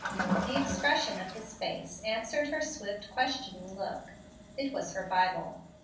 The expression of his face answered her swift, questioning look. It was her Bible.